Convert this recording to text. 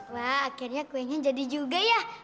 wah akhirnya kuenya jadi juga ya